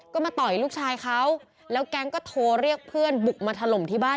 ก็มาต่อยลูกชายเขาแล้วแก๊งก็โทรเรียกเพื่อนบุกมาถล่มที่บ้าน